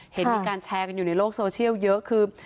เห็นมีการแชร์กันอยู่ในโลกโซเชียลเยอะคือ